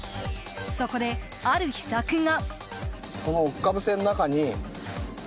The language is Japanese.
そこで、ある秘策が。